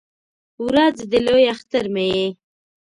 ورځ د لوی اختر مې یې